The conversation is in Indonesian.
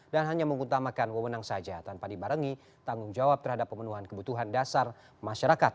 dan hanya mengutamakan kemenang saja tanpa dibarengi tanggung jawab terhadap pemenuhan kebutuhan dasar masyarakat